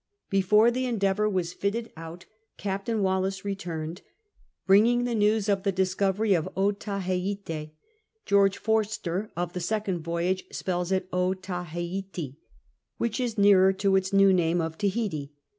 ' Before the Endeavour was fitted out Captain Wallis returned, bringing the news of the discovery of Otaheite (George Forster, of the second voyage, spells it 0 Taheiti, which is nearer to its new name of Tahiti).